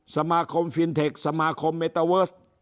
สมาคมฟินเทคสมาคมเมตเตอร์เวิร์ส